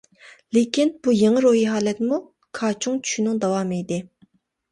لېكىن، بۇ يېڭى روھىي ھالەتمۇ كاچۇڭ چۈشىنىڭ داۋامى ئىدى.